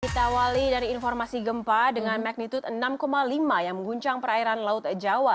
kita awali dari informasi gempa dengan magnitud enam lima yang mengguncang perairan laut jawa